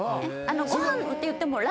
ご飯っていっても。